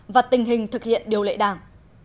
và tình hình thực hiện điều lệ đảng